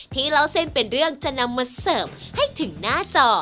เล่าเส้นเป็นเรื่องจะนำมาเสิร์ฟให้ถึงหน้าจอ